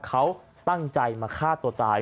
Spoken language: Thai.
เขาตั้งใจมาฆ่าตัวตาย